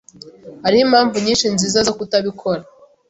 Hariho impamvu nyinshi nziza zo kutabikora.